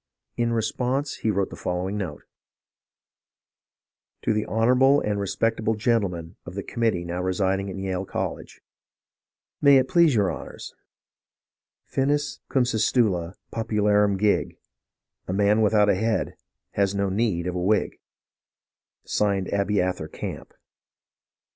In response he wrote the following note :— To THE Honourable and Respectable Gentlemen of the COiMMITfEE NOW RESIDING IN YaLE CoLLEGE. May it please your honours — ham — ham — ham — Finis cumsistula populamm gig, A man without a head has no need of a wig. Abiather Camp.